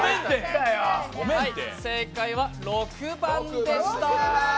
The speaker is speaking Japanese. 正解は６番でした。